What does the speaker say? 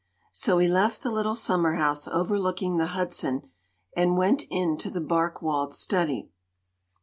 " So we left the little summer house overlooking the Hudson and went into the bark walled study.